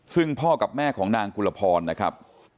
ซึ่งพ่อกับแม่ของนางกุลพรนะครับ